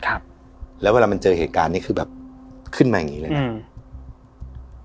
ครับแล้วเวลามันเจอเหตุการณ์นี้คือแบบขึ้นมาอย่างงี้เลยเนี้ยอืม